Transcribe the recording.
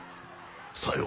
さよう。